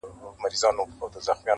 عدالت خو به اوس دلته چلېدلای -